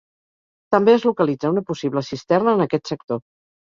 També es localitza una possible cisterna en aquest sector.